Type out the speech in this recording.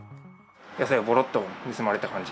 野菜をごろっと盗まれた感じ。